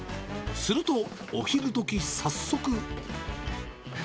すると、お昼どき、早速。